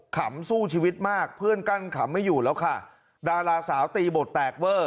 ขำสู้ชีวิตมากเพื่อนกั้นขำไม่อยู่แล้วค่ะดาราสาวตีบทแตกเวอร์